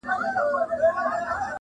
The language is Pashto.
o چي قاضي ته چا درنه برخه ورکړله,